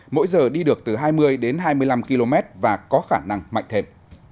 mỗi giờ đi được từ hai mươi đến hai mươi năm km và có khả năng mạnh thêm